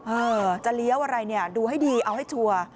เออจะเลี้ยวอะไรเนี่ยดูให้ดีเอาให้ชัวร์